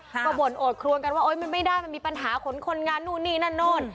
ก็บ่นโอดครวนกันว่ามันไม่ได้มันมีปัญหาขนคนงานนู่นนี่นั่นนู่น